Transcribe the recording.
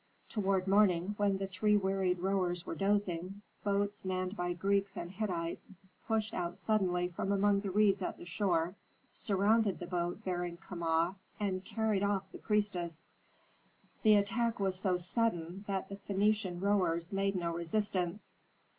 Toward morning, when the three wearied rowers were dozing, boats manned by Greeks and Hittites pushed out suddenly from among reeds at the shore, surrounded the boat bearing Kama, and carried off the priestess. The attack was so sudden that the Phœnician rowers made no resistance.